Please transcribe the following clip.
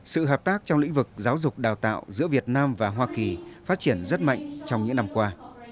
sự hợp tác trong lĩnh vực giáo dục đào tạo giữa việt nam và hoa kỳ phát triển rất mạnh trong những năm qua